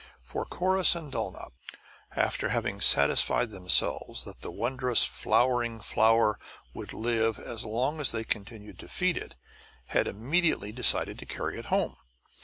For Corrus and Dulnop, after having satisfied themselves that the wondrous flowering flower would live as long as they continued to feed it, had immediately decided to carry it home.